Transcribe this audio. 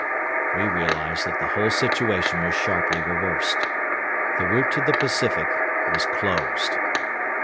We realized that the whole situation was sharply reversed. The route to the Pacific was closed.